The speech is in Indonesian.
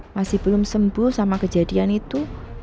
masih belum sembuh sama kejadian itu